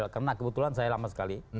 karena kebetulan saya lama sekali